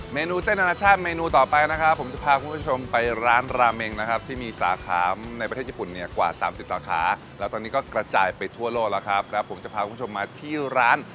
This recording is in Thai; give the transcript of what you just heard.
เมนูเส้นอนาชาติเมนูต่อไปนะครับผมจะพาคุณผู้ชมไปร้านราเมงนะครับที่มีสาขาในประเทศญี่ปุ่นเนี่ยกว่าสามสิบสาขาแล้วตอนนี้ก็กระจายไปทั่วโลกแล้วครับแล้วผมจะพาคุณผู้ชมมาที่ร้าน